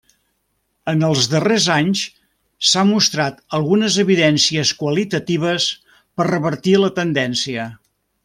En els darrers anys s'ha mostrat algunes evidències qualitatives per a revertir la tendència.